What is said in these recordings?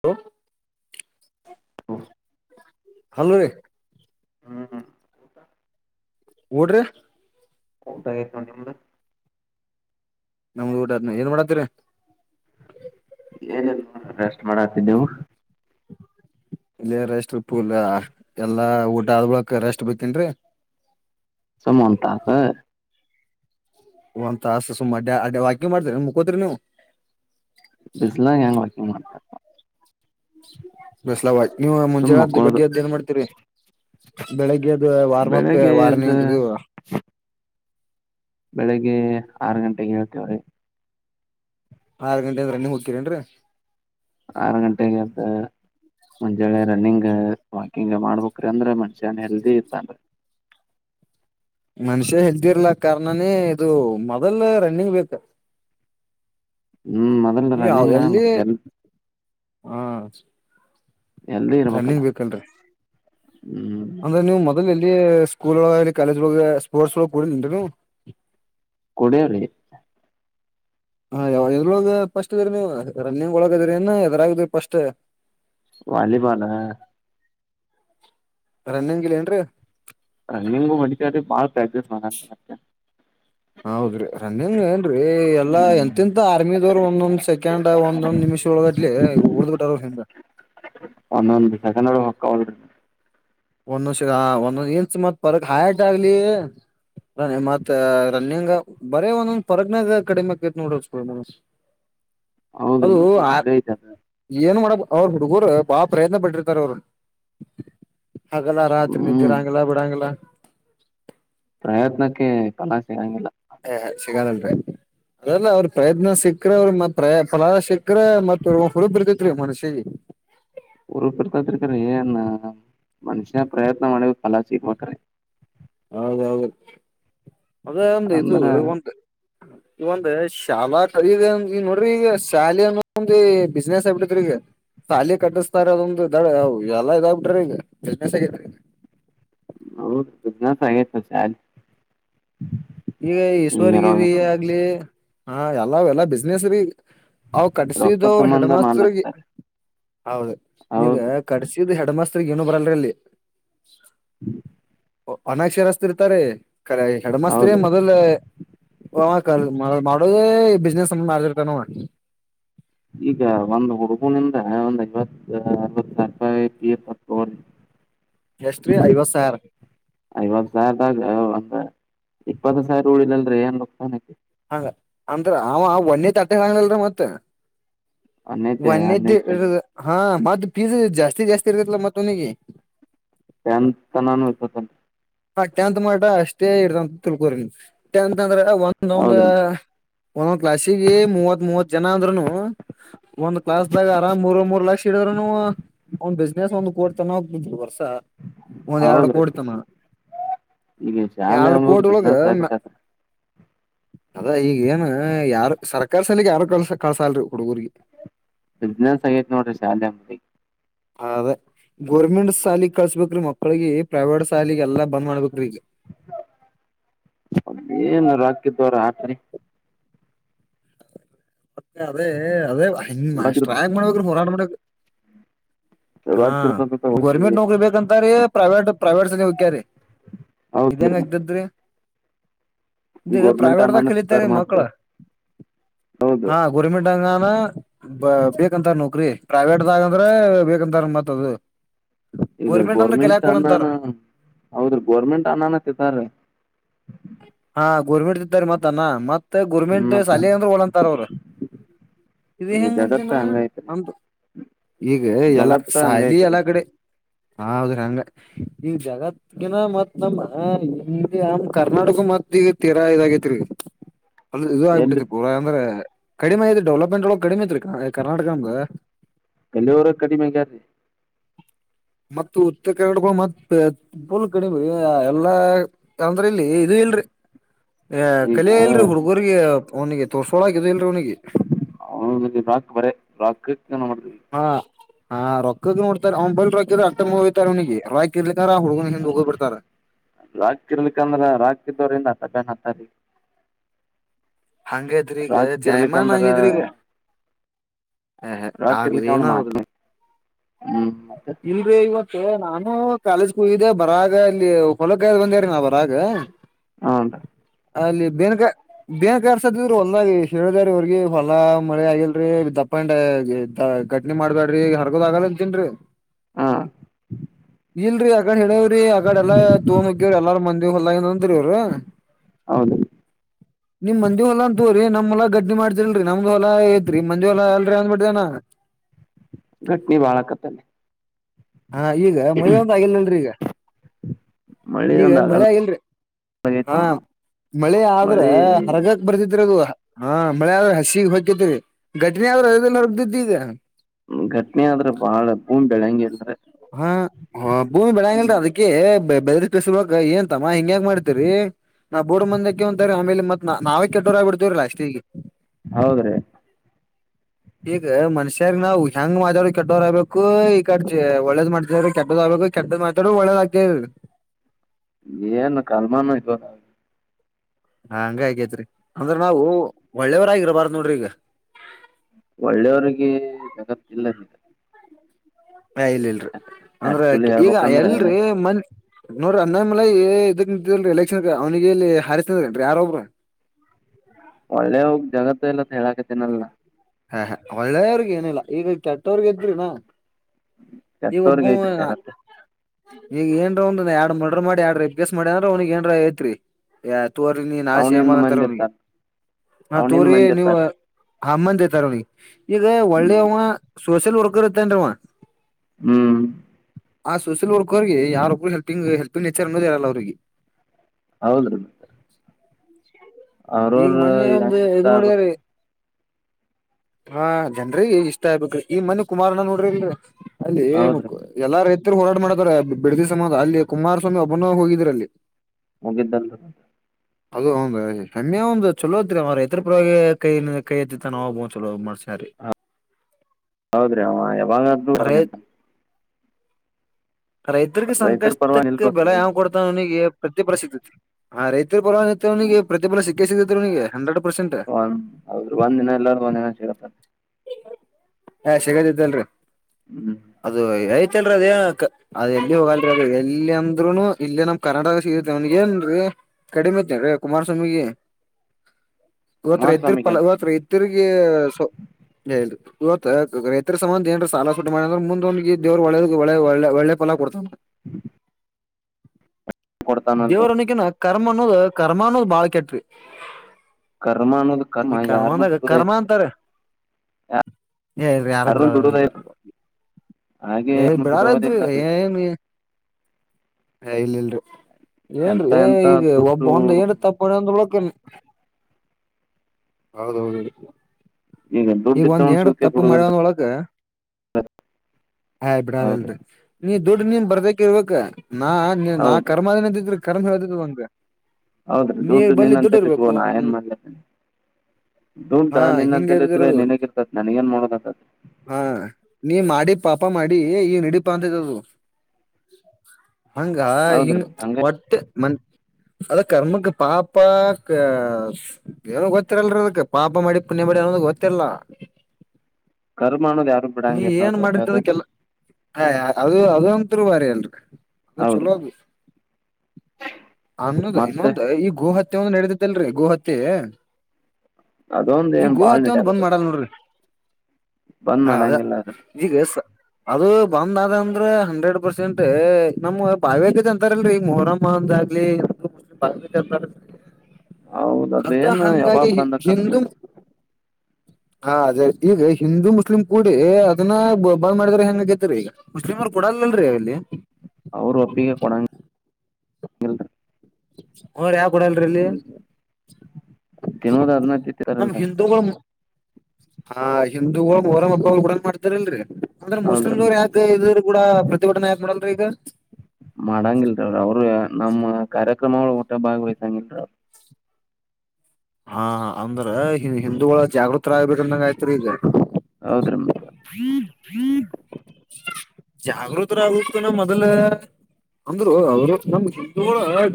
Hello ಹ್ಮ ಹಲ್ೀ ಹ್ಮ್್ಮ ಊಡ್ರಿ ಊಟಗತ ನಿಮ್ದ ನಮ್ದ ಊಟದನ ಏನ್ ಮಾಡತ್ತರಿ ಏನಿಲ್ಲ ರೆಸ್ಟ್ ಮಾಡ ಹತಿದ್ದೆವು ಇಲ್ಲ ರಷ್ಟ ಪೂಲ್ ಎಲ್ಲಾ ಊಟ ಆದಬಳಕ್ ರಸ್ ಬೇಕೇನ್ರೀ ಸಮಾನತ ಸ ಒಂದ್ ತಾಸ ಸುಮ್ ಅಡ್ ಅಡ್ ವಾಕ್ಯ ಮಾಡತ್ರಿ ಮುಕೋತ್್ರಿ ನೀವು ಬಸಲ್ಲ ಯಂಗ ಮಾಡ ಬಸ್ಲಾವ್ ನೀವ್ ಸುಮ್ ಮುಂಜಾನ ಮಕ್ಕೊಳೋದು ಬಗ್ಗೆದ್ದ ಏನ್ ಮಾಡ್ತೀರಿ ಬೆಳಿಗ್ಗೆ ಅದು ವಾರ್ಮಪ್ ಬೆಳಿಗ್ಗೆ ಎದ್ದ ವಾರ್ನಿಂಗ್ ಇದು ಬೆಳಿಗ್ಗೆ ಆರು ಗಂಟೆಗೆ ಹೇಳ್ತೇವ್ರೀ ಆರ್ ಗಂಟೆ ಅಿಂದ ರನ್ನಿಂಗ್ ಹೋಗತರೇನ್ರರಿ ಆರು ಗಂಟೆೆಗೆ ಅ್ದ ಮುಂಜಾಗೆ ರನ್ನಿಂಗ್ ವಾಕಿಂಗ್ ಮಾಡ್ಬ್ರಿ ಅಂದ್ರೆ ಮನುಷ್ಯನ್ ಹೆಲ್ದಿ ಇತ್ತಲ್ ಮನುಷ್ಯ ಹೆಲ್ದಿ ಇರ್ಲ ಕಾರಣನೇ ಇದು ಮೊದಲ್ ರನ್ನಿಂಗ್ ಬೇಕ ಹ್ಮ್ ಮೊದಲ್ ನೀವ್ ಯಾವ್ ರನ್ನಿಂಗ ಎಲ್ಲಿ ಮತ್ತೆ ಎಲ್ ಹಾ ಹೆಲ್ದಿ ಇರ್ಬೇಕಲ್ಲ ರನ್ನಿಂಗ್ ಬೇಕಲ್ರರಿ ಹ್ಮ್ ಅಂದ್ರೆ ನೀವು ಮೊದಲ್ ಇಲ್ಲಿ ಸ್ಕೂಲ್ ಒಲ್ಲಿ ಕಾಲೇಜ್ ಒಳಗೆ ಸ್ಪೋರ್ಟ್ಸ್ ಒ ಕೂಡರು ಕೊಡಿಯರಿ ಹಾವ ಇದ್ರೊಳ ಫಸ್ಟ್ ಇದೀರಿ ನೀವು ರನ್ನಿಂಗ್ ಒಳಗ ಇದದಿರಿ ಇನ್ನ ಎದರಾಗ್ರರಿ ಪಫಸ್ಟ್ ವಾಲಿಬಲ್ಾ ರನ್ನಿಂಗ ಗಿಲ ಏನ್ರೀ ರಿಂಗ ಮ ಬಳ ಪ್ರಕ್ಟಿಸ ಮಾಡ ಹೌದ್ರಿ ರನ್ನಿಂಗ್ ಏನ್ರೀ ಎಲ್ಲಾ ಎಂತಂತ ಆರ್ಮಿದವ್ರ ಒಂದೊಂದ್ ಸೆಕೆಂಡ್ ಒಂದೊಂದ್ ನಿಮ್ ಷ ಒಳಗಡ್ಲಿ ಒಳ್ ಬಿಿಟ್ಟಾರಿಂದ ಒಂದೊಂದುಷಖ ನೋ ಹಕ್ಕ ಒಂದ್ ವರ್ಷ ಒಂದ್ ವರ್ಷ ಇಂಚ್ ಮತ್ ಪರಕ್ ಹಾಯಟ್ ಆಗ್ಲಿ ಮತ್ತತ್ ರನ್ನಿಂಗ್ ಬರ ಒಂದೊಂದ್ ಪರಗ್ನಾಗ ಕಡಿಮೆೈತ್ ನೋಡ ಮಸ ಹೌದ್ರಿ ಅದು ಮತ್ ಆ ಹಂಗ ಐತಿ ಅದ ಏನ್ ಮಾಡಬ ಅವರು ಹುಡ್ಗೂರು ಬಾ ಪ್ರಯತ್ನ ಪಟ್ಟಿರ್ತಾರ ಅವರು ಹಾಗಲ್ಲ ರಾತ್ರಿ ಹ್ಮ್ ನಿದ್ದಿರಂಗಲ ಬಿಡಂಗಲ್ಲ ಪ್ರಯತ್ನಕ್ಕೆ ಫಲಾಾಸೆ ಹಂಗಿಲ್ಲ ಹ ಸಿಗ ನನ್್ರ ಅದಲ್ಲ ಅವ್ರ ಪ್ರಯತ್ನ ಸಿಕ್ಕ್ರ ಅವ್ರ ಮ ಪ್ರ ಫಲ ಸಿಕ್ಕ್ರ ಮತ್ ಅವ ಹುರ ಬಿರ್ತೇತ್ರಿ ಮನುಷಿ [inaudible] ಊರು ಕರ್ತದರ್ಕ್ರ ಏನ್ ಮನುಷ್ಯ ಪ್ರಯತ್ನ ಮಾಡಿ ಫಲಾ ಸಿಗ್ಬೇಕ್ರಿ ಹೌದೌದು ಅದೇ ಒಂದು ಇದು ಅಂದ್ರ ಒಂದು ಈ ಒಂದ ಶಾಲಾ ಈಗ ಈ ನೋಡ್ರಿ ಈಗ ಶಾಲೆ ಅನ್ನ ಒಂದು ಬಿಸ್ನೆಸ್ ಆಗ್ಬಿಡತ್್ರಿ ಈಗ ಸಾಲಿ ಕಟ್ಟಿಸ್ತಾರ ಅದೊ್ ದಡ ಎಲ್ಲಾ ಇದಾಗ್ಬ ಬಿಟ್ರಿ ಈಗ ಆಗ ಹೌದು ಆಗತ ಶಲ್ ಈಗ ಈಶ್ವರ್ಗ ಆಗ್ಲಿ ಹ ಎಲ್ಲ ಎಲ್ಲಾ ಬಿಸ್ನೆಸ್ ರೀ ಅವ ಕಟ್ಸಿದ ರೊಕ್ಕದ ಅವರು ಹೆಡ ಸಂಬಂಧ ಮಾಸ್ತರ್ಗೆ ಮಾಡ್ಲಕತ್ತಾರೆ ಹೌದು ಈಗ ಹೌದ್ರಿ ಕಡಸಿದ ಹೆಡ ಮಾಾಸ್ತರ್ಗ ಏನ ಬರಲ್ರಿ ಅಲ್ಲಿ ಅನಾಕ್ಷರಸ್ತಿ ಇರ್ತಾರೆ ಕರೆ ಇ ಹೌದ್ರಿ ಮೊದಲ ವಮ ಕ ನಡ ಬಿಸ್ಿನನೆಸ್ಂದ ಮಾಡತಿಿರ್ತಾನ ಈಗ ಒಂದ್ ಹುಡುಗುನಿಂದ ಒಂದ್ ಐವತ್ತು ಅರವತ್ ಸಾವಿ ರೂಪಾಯಿ ಪ ತತ್್ರಿ ಎಷ್ಟ್ರೀ ಐವತ್ ಸಾವಿರ ಐವತ್ತು ಸಾವಿರದ ಅಂದ ಇಪ್ಪತ್ತು ಸಾವಿರ ಉಳಿಲ್ಲಲ್ರರಿ ಏನ್ೋಗಕ್ತಾನಕ್ಕೆ ಹಂಗ ಅಂದ್ರ ಅವ ಒ್ಣೆ ತಟ್ಟೆಗೆ ಹಂಗಲಲ್ರ ಮತ್ತ ಹದ್ನೈತೆ ವನ್ಯಜ ಹದ್ನೈತೆ ಹಾ ಪೀಜಾ ಜಾಸ್ತಿ ಜಾಸ್ತಿ ಇರ್ತತ್ತಲ್ಲ ಮತ್ತೊನಿಗೆ ಎಂತ ತನಾನತ ಹಾ ಟೆಂತ್ ಮಾಡಟ ಅಷ್ಟೇ ಇರ್ತಂತ ತಿಳ್ಕೋ್ರಿಟಂತ್ ಂತಂದ್ರ ಒಂದೊಂದ್ ಹೌದ್ರಿ ಒಂದೊಂದ್ ಕ್ಲಾಾಸಿಗೆ ಮೂವತ್ ಮೂವತ್ ಜನ ಅಂದ್ೂನು ಒಂದ್ ಕ್ಲಾಸ್್ದಾಗ ಆರಾಮ್ ಮೂರ ಮೂರ್ ಲಕ್ಷ ಹಿಡಿದ್ರುನು ಒಂದ್ ಬಿಸ್ನೆಸ್ ಒಂದು ಕೋಟ ತನ ಹೋಗ್ತಿದ ಬರ್ ಒಂದ್ ಎರಡು ಹೌದ್ರಿ ಕೋಡಿ ತಮ್ಮ ಈಗ ಶಾಲೆ ಎರಡು ಎಂಬುದು ಕೋಟಿ ಒಳಗ ಬಿಸ್ನೆಸ್ ಆಗ್ಬಿಟ್ಟತ್ರಿ ಅದ ಈಗ ಏನ ಹ ಯಾರು ಸರ್ಕಾರಿ ಸಾಲಿಗೆ ಯಾರು ಕಳ್ಸ ಕಳ್ಸ ಅಲ್ರಿ ಹುಡುಗುರಿಗೆ ಇ್ನ್ ಸಗೇತಿ ನೋಡ್ರಿ ಶಾಲೆಮ್ಮಿ ಅದ ಗೋರ್ಮೆಂಟ್ ಸಾಲಿಗೆ ಕಳ್ಸ್ಬೇಕ್ರೀ ಮಕ್ಳಿಗೆ ಪ್ರೈವೇಟ್ ಸಾಲಿಗೆ ಎಲ್ಲಾ ಬಂದ್ ಮಾಡ್ಬೇಕ್ರಿ ಈಗ ನು ರಾಕೆ ತಾರ ಹತರಿ ಮತ್ತ ಅದೇ ಅದೇ ರಾಕಿ ಹಂಗಷ್ಟ್ರ್ಯಾಗ ಮಾಡ್ಬೇಕ್ರ ಹೋರಾಟ ಮಾಡ್ಬೇಕ ಹಾ ರಾಕ್ ಇರ್ತಂತ ಹೋಗಿ ಗೋರ್ಮೆಂಟ್ ನೌಕರಿ ಬೇಕಂತಾರೀ ಪ್ರೈವೇಟ್ ಪ್ರೈವೇಟ್ ಸನ ಹಕ್ಯ್ರೀ ಇದ ಹೌದ್ರಿ ಹೆಂಗ ಮತ್ತ ಹಗ್ತದ್ರಿ ಇ ಗೋರ್ಮೆಂಟ್ ಪ್ರೈವೇಟ್ ದಾಗ ಅನ್ನಾನ ತಿಂತಾರ ಕಲಿತಾರೆ ಮತ್ ಮಕ್ಕಳ ಹೌದು ಹಾ ಗೋರ್ಮೆಂಟ್ ಎಂಗಾನ ಬ ಬೇಕಂತ ನೌಕ್ರಿ ಪ್ರೈವೇಟ್ದಾಗ ಅಂದ್ರೆ ಬೇಕಂತ ಮತ್ದದು ಈಗ ಗೋರ್ಮೆಂಟ್ ಅನ್ನಾನ ಹೌದ್ರೀ ಗೋರ್ಮೆಂಟ್ ಅನ್ನನ ತತ್ತಾರ ಹಾ ಗೋರ್ಮೆಂಟ್ ಇದ್ದಾರ ಮತ್ತ ಅನ್ನ ಮತ್ತತ್ ಗೋರ್ಮೆಂಟ್ ಮತ್ತ ಸಾಲ ಅಂದ್ರ ಒಳಂತಾರ ಅವ್ರ ಇ ಈಗ ಜಗತ್ತ ಹೆಂಗಂತಿನ ಹಂಗೈತ್ರಿ ಅಂತ ಈಗ ಎಲ್ಲ ಜಗತ್ತ ಶಾಯಾಲಿ ಹಂಗೈತ್ರಿ ಎಲ್ಲ ಕಡೆ ಹೌದ್ರಿ ಹಂಗ ಈಗ ಜಗತ್ಗಿನ ಮತ್ತ್ ನಮ್ ಕರ್ನಾಟಕ ಮತ್ ಈಗ ತೀರಾ ಇದಾಗೈತಿರಿ ಅಲ್ ಇದದು ಎಲ್ಲಿ ಆಗ್ಬಿಡ್ೇರಿ ಪೂರಾ ಅಂದ್ರೆ ಕಡಿಮೆ ಐತ್ರಿ ಡೆವಲಪ್ಮೆಂಟ್ ಒಳ ಕಡಿಮೆ ಐತ್ರಿ ಕರ್ನಾಕಮ ಎಲ್ಲಿವರು ಕಡಿಮೆಗಾರ ರೀ [inaudible] ಮತ್ತ ಉತ್ತ ಕಗಡ ಮತ್ ಪುಲ್ ಕಡಿ ಎಲ್ಲಾ ಇಲ್ಲಿ ಇ ಇಲ್ರರಿ್ ಈಗ ಕಲಿಯಾ ಇಲ್ರಿ ಹುಡುಗರಿಗೆ ಅವನಿಗೆ ತೋರ್ಸೋಳಕ್ ಇ ಇಲ್ ಅವನು ರಾಕ್ ಬರ ರಾಕ್ ಹಾ ಹಾ ರೊಕ್ಕದ ನೋಡ್ತಾರೆ ಒಂಬೈಲ್ ರೊಕ್ಕದ ಅರ್ಥ ಹೋಯತಾರೆ ಅವನಿಗೆ ರಾಯ ಕ ಇರ್ಲಿಕ್ಕಾರ ಹುಡ್ಗನ್ ಹಿಂದ್ ಹೋಗ ಬಿರ್ತಾರ ಸದ ಹತಲ್ಲಿ ಹಂಗೈತ್ರಿ ಈಗ ರಾಗ ಜಾಯಮಾನ್ ಕರಲ್ಲಿಿಕಂದರ ಆಗೇತ್ರಿ ಈಗ ಆಗುದ ರರ್ಲಿಿಕ ಅವವನ್ನು ಮಾತ್ರ ಹ್ಮ್ ಮತ್ತೆ ಇಲ್ರರಿ ಇವತ್ತು ನಾ ಹ ಕಾಲೇಜ್ ಕೂ್ದ ಬರಾಗ ಇಲ್ಲಿಪಲಕ್ಕ್ದ್ ಬಂದಾರ ನಾವ್ ಬರಾಗ ಹಟ ಅಲ್ಲಿ ಬೇನ್ಕ ಬೇನ್ ಕಾರ್ಸದಿದ್ರರು ಹೊಲ ಹೇಳದಾರಿ ಅವ್ರಿ ಹೊಲಾ ಮಳೆ ಆಗಿಲ್ರರಿ ದಪ್ಪ ತಪ್ಪಂಡಘಟನಿ ಮಾಡ್ದ್ಯಾಡ್ರಿ ಹರ್ಗದ್ ಆಗಲ್ಲತನ್ೀ ಹಾ ಇಲ್ರರಿ ಆಗಡ ಹೇಳೇವ್ರಿ ಆಗಡೆ ಎಲ್ಲಾ ತೋ್ ಹೋಗ್ಯವ್ರ ಎಲ್ಲಾರ ಮಂದಿವ ಹೊಲ ಅಂದರಿವರಿ ಹೌದು ನಿಮ್ ಮಜಿ ಹೊಲಾ ಅಂತ ತೋ್ರರಿ ನಮ್ ಹೊಲಾ ಗಡ್ಡಿ ಮಾಡ್ತಿಲ್ರರಿ ನಮ್ದು ಹೊಲ ಐತ್ರಿ ಮಂದಜಿ ಹೊಲ ಅಲ್ರಿ ಅಂದಬಿಡ್ದನ [unintelligible] ಗಟ್ನಿ ಬಾಳಕತ್ತಲ್ಲೆ ಹಾ ಈಗ ಮದ್ುವೆ ಒಂತ ಆಗಿಲ್ಲಲ್ರರಿ ಈಗ ಮಳಿ ಈಗ ಒಂದ್ ಮಳೆ ಆಗಲ್ ಆಗಲ್ರಿ ಆಗೈತ್ ಹಾ ನೋಡ ಮಳೆ ಆದ್ರ ಮಳಿ ಹರಗಕ್ ಬರ್ತಿದರದು ಹಾ ಮಳೆ್ರರು ಹಸಿ ಹೋಗಿದರಿ ಗ ಇ್ರರು ಅಲ್ಲ ಹಗ್ದಿದ್ದ ಈಗ ಘಟ್ನೆ ಆದ್ರ ಬಾಳ ಭೂಮಿ ಬೆಳಂಗಿಲ್ರಿ ಹಾ ಹ ಭೂಮಿ ಬೆಳಂಗಲ್ರರಿ ಅದ್ಕ್ಕೆ ಬೆದ ಬಸಾಗ ಏನ್ ತಮ್ಮ ಹಿಂಗ್ಯಾಂಗ ಮಾಡ್ತರಿ ನಾವು ಬೋರ್ ಮಂದಕ್ಕೆ ಒಂತಾರೆ ಆಮೇಲೆ ಮತ್ ನಾವೇ ಕೆಟ್ಟವರಾಗಿ ಬಿಡ್ತವರಲ್ಲಾ ಅಷ್ಟೇ ಈಗ ಹೌದ್ರೀ ಈಗ ಮನ್ಷ್ಯರ್ ನಾವ್ ಹೆಂಗ್ ಮಾಡವ್ರರು ಕೆಟ್ಟವ್ ಆಗ್ಬೇಕು ಈ ಕಡ್ಜ ಒಳ್ಳೇದ ಮಾಡ್ತವ್ರರು ಕೆಟ್ಟದ್ ಆಗ್ಬೇಕು ಕೆ್ದ ಮಾತಾಡ ಒಳ್ಳ ಲೆ ಏನು ಕಲ್ಮನ್ ಇ ಹಂಗ ಆಗೇತ್ರಿ ಅಂದ್ರ ನಾವು ಒಳ್ಳೆವರ ಆಗಿರ ಬಾರ ನೋಡ್ರಿ ಈಗ ಒಳ್ಳೆಯವರಿಗೆ ಜಗತ್ತಿಲ್ಲ ನೀ ಹ ಇಲ್ ಇಲ್ರಿ ಅಂದ್ರ ಆಕ್ಚುಲಿ ಈಗ ಹೇಳ್ಬೇಕಂದ್ರೆ ಎಲ್ರಿೀ ಮನ್ ನೋಡ್ರಿ ಅನ್ನ ಮಲ ಇದಕ್ ನಿಂತಲ್ರಿ ಎಲೆಕ್ಷನ್ ಅವ್ನಿಗೆಲ್ಲಿ ಹಾರಿತೀ ಯಾರೊಬ್ಬರು ಹ ಒಳ್ಳೆ ಹೋಗ್ ಜಗತ್ತು ಎಲ್ಲತ್ತ ಹೇಳಾಕತನಲ್ಲ ಹಾ ಹ ಒಳ್ಳೆಯವ್ರಗ್ ಏನಿಲ್ಲ ಈಗ ಕೆಟ್ಟವರ್ಗ ಇದ್ರಿಿನ ಈಗ ಒಬ್ಬ ಕೆಟ್ಟೋರ್ಗ್ ಐತ್ರಿ ಜಗತ್ ಈಗ ಏನ್ರ ಒಂದ ಎರಡ್ ಮಡ್ರ ಮಾಡಿ ಎರಡಪ್ಗೆಸ್ ಮಾಡಿ ಅಂದ್ರ ಅವನಿಗೆ ಏನ್ರ ಐತ್ರಿ ತೋರಿ ನೀನ್ ಆಸಿ ಅವ್ನಿಂದ ಮಂತಾರ ಮಂದಿ ಅವನಿಗೆ ಇರ್ತಾರ ಹ ಅವ್ನಿಂದ ತೋರಿ ಮಂದಿ ನೀವು ಇರ್ತಾರ ಹಮ್ಮಂದ ಐತಾರ ಅವಿ ಈಗ ಒಳ್ಳೆ ಹ್ಮ್ ಅವ ಸೋಷಲ್ ವರ್ಕರ್ ಇಐತ್ತ ಅನ್ವ ಹ್ಮ್ ಆ ಸೋಷಿಯಲ್ ವರ್ಕರ್ಗೆ ಯಾರ ಒಬ್ರು ಹೆಲ್ಪಿಂಗ್ ಹೆಲ್ಪಿಂಗ್ ನೆಚರ್ ಅನ್ನೋದ ಇರಲ್ಲ ಅವ್ರಿಗೆ ಹೌದ್ರ ಈಗ ಮೊನ್ನೆ ಒಂದು ಹೆಂಗ್ ಇಷ್ಟ ಇದು ಆಗ್ಬೇಕ ಮಾಡಿದೀ ಹಾ ಜನ್ರಿೀ ಇಷ್ಟ ಆಗ್ಬೇಕ್ರಿ ಈ ಮನಿ ಕುಮಾರ್ನ ನೋಡ್ರಿ ಇಲ್ ಅಲ್ಲಿ ಹೌದ್ರಿ ಮುಕ್ಕು ಎಲ್ಲಾರ ಹೋರಾಟ ಮಾಡ್ತಾರೆ ಬಿಡದಿ ಸಮಂಧ ಅಲ್ಲಿ ಕುಮಾರಸ್ವಾಮಿ ಒಬ್ಬನ ಹೋಗಿದ್ರಲ್ಲಿ ಮುಗಿದ್ದಲ್ಲ ಅದು ಹೌದ ಹೆಮ್ಮೆ ಒಂದು್ ಚಲೋದತ್ತ ಅವ್ರತರ ಪರವಾಗಿ ಕೈ ಕೈ ಎತ್ತಿತ್ತ ನಾವು ಒ್ ಚಲೋ ಮಾಡ್ಸೀ ಹೌದ್ರಿ ಅವ ಯಾವಾಗಾದೂ ರೈ ಬರಂತ ರೈತರಿರಿಗೆ ರೈತರ ಪರವಾಗಿ ಸಂಕಷ್ಟಕ್ಕೆ ಬೆಲ ನಿಲ್ಬೇಕ್ರಿ ಯಾವ್ ಕೊಡ್ತಾವ ನನಿಗೆ ಪ್ರತಿಬರ ಸಿಗ್ತತಿ ರೈತ ಪನಗೆ ಸಿಕ್ಕೇ ಸಿಗೆ ಹ ಒಂದ್ ಹೌದ್ರ ಒಂದ್ ದಿನ ಎಲ್ಲೂ ಒಂದ್ ದಿನ ಸಿಗತ್ತ ಹ ಸಿಗದಿದ್ದಲ್ರಿ ಹ್ಮ್ ಅದು ಆಯ್ತ ನ್ರೀ ಅದೇ ಅದ ಎಲ್ಲಿ ಹೋಗಲ್ರಿ ಅದ ಎಲ್ಲಿ ಅಂದ್ರುನು ಇಲ್ಲೇ ನಮ್ ಕರ್ನಾಟಕ ಸಿೀಗತೆವನ್ ಏನ್ರರಿ ಕಡಿಮೆ ಇಐತೆೇನೆೀ ಕುಮಾರಸ್ವಾಮಿಗೆ ಇವತ್ರ ಇದ್ದ್ರ ಕುಮಾರಸ್ವಾಮಿಗೆ ಪಲ ಏನ್ ಕಡಿಮೆ ಇವತ್ರ ಎ್ದ್ರಗ ಸೊದು ಇವತ್ತು ರೈತರಿಬಂಧ ಏನ್ ಸಾಲ ಸುಟ್ಟ ಮಾಡ ಅಂದ್ರ ಮುಂದಿ ದೇವ್ರು ಒೇದ್ ಒೆ ಒಳ್ಳೆ ಒಳ್ಳೆ ಫಲ ಕೊಡ್ತ ಕೊಡ್ತಾನಲ್ರ ದೇವರನಿಕಿನ ಕರ್ಮ ಅನ್ನೋದ ಕರ್ಮ ಅನ್ನೋದು ಬಾಳ್ ಕೆಟ್ಿ ಕರ್ಮ ಅನ್ನೋದು ಕರ್ಮ ಈ ಯಾರನು ಕರ್ಮದಾಗ ಬಿಡುದ ಕರ್ಮ ಇಲ್ರಿ ಅಂತಾರೆ ಏರಿ ಯಾರು ಯಾರನು ಬಿಡುದ ಗೂಡಲ್ರಿ ಇಲ್ ಹಾಗೆ ಯ ಯಾರನು ಬಿಡಾರ ಇದ್ದ್ರೀ ಬಿಡೋದಿಲ್ಲ ಅದು ಯ ಏನು ಇಲ್ ಇಲ್ರಿ ಏನ್ರಿ ಎಂತ ಏ ಎಂತ ಈಗ ಒಬ್ಬ ದುಡ್ಡು ಒಂದ ಏನ್ ತಪ್ಪಣ ಅಂದ್ರಳ ಹೌದುೌದು ದುಡ್ಡು ಈಗ ಒಂದ್ ಇದ್ದವನ್ ಎರ ಸೂಕೆ ತಪ್ಪು ಮಳೆ ಬಿಡುದಿಲ್ರಿ ಒಂದೊಳಗೆ ಹೌದು ಹಾಬ್ರಲ್ ನೀ ದುಡ್ ನೀನ್ ಬರ್ದಕ ಇರ್ಬೇಕ ನಾ ನಾ ಕರ್ಮದಂತಿದ್ರೆ ಕರ್ಮ ಹೇಳದ ಅಂತ ಹೌದ್ರೀ ದುಡ್ಡದು ಇರ್ಬೇಕು ನೀನ್ನಂತಸ್ಗೋಣ ಏನ್ ಮಾಡ್ಲತೇನನೆ ಹಾ ಂಟಾ ಹಿಂಗ ನಿನ್ನಂತಲ್ಲಿದ್ರೆ ಇರ್ದಿರೋದು ನಿನಗಿರ್ತತಿ ನನ್ ಏನ್ ಮಾಡೋದಂತದ ಹಾ ನೀ ಮಾಡಿ ಪಾಪ ಮಾಡಿ ಈ ನಡೀಪ ಅಂತದು ಹಂಗ ಹೌದ್ರಿ ಹಿಂಗ ಮತ್ ಹಂಗ ಒಟ್ಟೆ ಮ ಅದ ಕರ್ಮಕ್ಕೆ ಪಾಪ ಏನ ಗೊತ್ತರಲ್ರ ಅದಕ್ಕೆ ಪಾಪ ಮಡಿ ಪುಣ್ಯ ಮಾಡನ ಗೊತ್ತ ತ್ತಲ ಕರ್ಮ ಅನ್ನೋದ್ ಯಾರು ನೀ ಬಿಡಂಗಿಲ್ಲ ಏನ್ ನೋಡ್ರಿ ಒಟ್ಟ ಅದ ಮಾಡಿದ್ದದಕ್ಕೆಲ್ಲ ಅದು ಅದಂತರು ಬಾರಿ ಅಲ್ರರಿ ಅದು ಹೌದ್ರಿ ಚಲೋ ಅದ ಮತ್ ಅಮರುದ್ ಮತ್ತೆ ಇನ್ನೊಂದು ಈ ಗೋ ಹತ್ಯೆ ಮತ್ತೆ ಒಂದು ನಡೆದತ್ತಲ್ರರಿ ಗೋಹತ್ಯೆ ಅದೊಂದ್ ಈ ಏನ್ ಗೋ ಬಾಳ್ ಹತ್ಯೆ ಒಂದ ಬಂದ್ ಮಾಡಲ್ ನಡ್ಯಾಕತ್ತತ್ರಿ ನೋಡ್ರಿ ಬಂದ್ ಹೌದ ಮಾಡಂಗಿಲ್ಲ ಅದ ಈಗ ಅದು ಬಂದ್ ಅ ಅಂದ್ರ ಹಂಡ್ರೆಡ್ ಪರ್ಸೆಂಟ್ ನಮ್ ಬಾವೇಕದ ಅಂತಾರಲ್ರಿ ಈ ಮೊಹರಮ್ಮ ಒಂದ ಆಗ್ಲಿ [unintelligible] ಹೌದ್ ಅದ ಏನ್ ಯಾವಾಗ ಹಂಗಾಗಿ ಬಂದಕತ್ ಹಿಂದೂ ಹಾ ಅದ ಈಗ ಹಿಂದೂ ಮುಸ್ಲಿಮ್ ಕೂಡಿ ಅದನ್ನ ಬಂದ್ ಮಾಡಿದ್ರ ಹೆಂಗಗೈತರಿ ಈಗ ಮುಸ್ಲಿಮರ್ ಕೊಡಲ್ಲನ್ರಿ ಅಲ್ಲಿ ಅವ್ರ ಒಪ್ಪಿಗೆ ಕೊಡಂಗಿಲ್ರಿ [unintelligible] ಕೂಡಲ್ರಿ ಅಲ್ಲಿ ಈಗ ತಿನ್ನೋದ ಅದನ್ನ ನಮ ತಿಂತಾರಲ್ರಿ ಅಂತಾರ ಹಿಂದೂಗಳು ಹಾ ಹಿಂದೂಗಳು ಮೋಹರಂ ಮಕ್ಕಳ ಕೂಡ ಮಾಡ್ತಾರಲ್ರಿ ಅಂದ್ರೆ ಹೌದ್ರಿ ಮುಸ್ಲಿಮ ಯಾಕ ಇದ ಕೂಡ ಪ್ರತಿಭಟನೆ ಯಾಕ್ ಮಾಡಲ್ರರಿ ಈಗ ಮಾಡಂಗಿಲ್ರ ಅವ್ರೀ ಅವರು ನಮ್ಮ ಕಾರ್ಯಕ್ರಮಳ ಊಟ ಭಾಗವಹಿಸಂಗಿಲ್ರ ಅವರು ಹಾ ಅಂದ್ರ ಹಿಂದೂಗಳ ಜಾಗೃತರ ಆಗ್ಬೇಕಂದಂಗ ಆಯ್ತ್ರಿ ಈಗ ಹೌದ್ರಿ ಮತ್ ಜಾಗೃತರ ಆಗುದಕಣ ಮೊದಲ ಅಂದ್ರು ಅವರು ನಮ ಹಿಂದು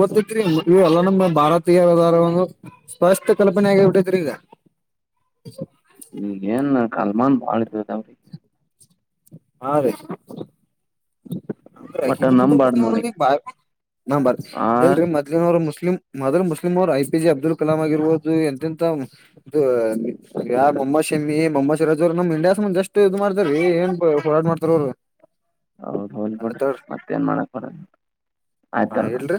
ಗೊತ್ತತ್ರಿ ಇ ಎಲ್ಲಾ ನಮ್ಮ ಭಾರತೀಯದಾರಂದು ಸ್ಪಷ್ಟ ಕಲ್ಪನೆ ಆಗಬಟ್ಟ್ರಿಂದ. ಈಗ ಏನ್ ಕಲ್ಮಾನ್ ಬಾಳ ಇದು ಅದಾವರೀ ಹಾ ರೀ ಅ್ರ ಒಟ್ಟ ಹಿಂದ ನಂಬಾರ್ದ ಮುಸ್ಲಿಮ ನೋಡಿ ಬ ನ ಬರ ಆ ಎಲ್ರರಿ ಮೋದ್ಲಿನ್ ಅವರು ಮುಸ್ಲಿಂ ಮೊದಲು ಮುಸ್ಲಿಮ ಅವ್ರು ಐಪಿ ಜೆ ಅಬ್ದುಲ್ ಕಲಾಂ ಆಗಿರ್ರೋದು ಎಂತೆಂತ ಮೊಹ ಶಮ್ಮಿ ಮೊಮ್ಮದ ಅಜರುದ್ದೀನ್ ಅವರು ನಮ್ ಇಂಡಿಯಾ ಸಂ ಬಂದ್ ಎಷ್ಟ ಇದು ಮಾಡ್ತಾರ್ರ ಏನ್ ಹೋರಾಟ ಮಾಡ್ತಾರ ಅವ್ರು ಹೌದ್ ಹೋಗದ್ಬ ಬಿಡ್ರಿ ಮತ್ತೇಏನ್ ಮಾಡಕ್ ಬರತ್ ಹಾ ಇಡ್ಲಿ ರಿ